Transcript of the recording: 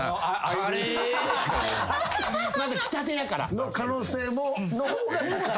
「カレー」まだ来たてやから。の可能性の方が高い？